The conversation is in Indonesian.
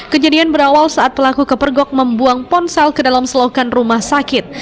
kejadian berawal saat pelaku kepergok membuang ponsel ke dalam selokan rumah sakit